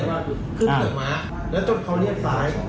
ขึ้นเหนือม้าแล้วจนเขาเรียกซ้าย